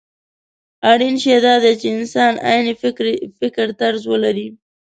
اړين شی دا دی چې انسان عيني فکرطرز ولري.